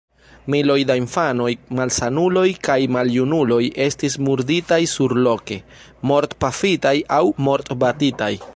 Miloj da infanoj, malsanuloj kaj maljunuloj estis murditaj surloke: mortpafitaj aŭ mortbatitaj.